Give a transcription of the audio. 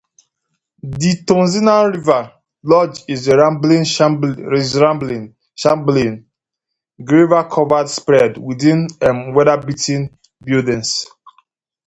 The Tonsina River Lodge is a rambling, shambling, gravel-covered spread, with weatherbeaten buildings.